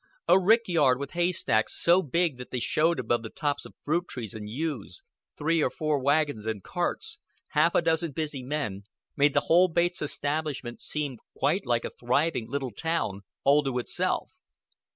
A rick yard with haystacks so big that they showed above the tops of fruit trees and yews, three or four wagons and carts, half a dozen busy men, made the whole Bates establishment seem quite like a thriving little town all to itself.